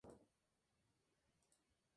Tiene una población de alrededor de habitantes.